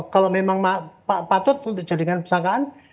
kalau memang patut untuk dijadikan tersangkaan